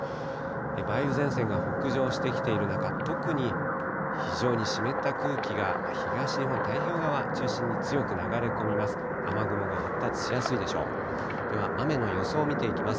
梅雨前線が北上してきている中、特に非常に湿った空気が、東日本太平洋側中心に強く流れ込みます。